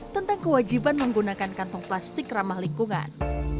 tentang kewajiban menggunakan kantong plastik ramah lingkungan